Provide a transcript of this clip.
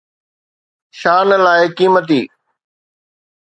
شان لاءِ قيمتي